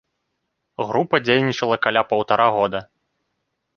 Група дзейнічала каля паўтара года.